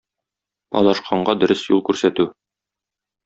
Адашканга дөрес юл күрсәтү